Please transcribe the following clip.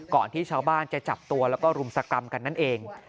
ที่ชาวบ้านจะจับตัวแล้วก็รุมสกรรมกันนั่นเอง